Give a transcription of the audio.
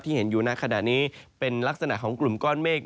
เห็นอยู่ในขณะนี้เป็นลักษณะของกลุ่มก้อนเมฆ